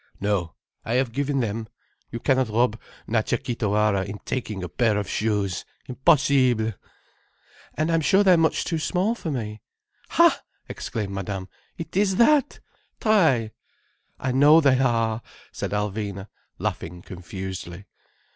"No, I have given them. You cannot rob Natcha Kee Tawara in taking a pair of shoes—impossible!" "And I'm sure they are much too small for me." "Ha!" exclaimed Madame. "It is that! Try." "I know they are," said Alvina, laughing confusedly.